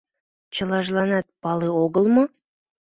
Чылажланат пале огыл мо?